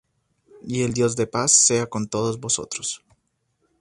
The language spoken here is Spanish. Y el Dios de paz sea con todos vosotros.